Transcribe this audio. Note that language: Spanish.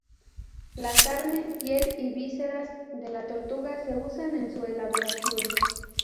La carne, piel y vísceras de la tortuga se usan en su elaboración.